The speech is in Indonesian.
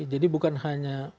jadi bukan hanya